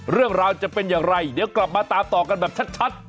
เรื่องราวจะเป็นอย่างไรเดี๋ยวกลับมาตามต่อกันแบบชัด